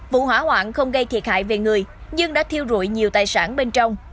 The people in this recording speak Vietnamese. vụ hỏa hoạn không gây thiệt hại về người nhưng đã thiêu rụi nhiều tài sản bên trong